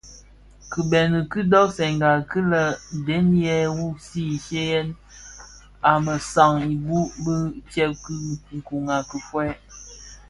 Ki bëni kidogsèna ki lè dèm yè wumzi shyeshye a mesaň ibu u tsèb ki nkun ki fuèi.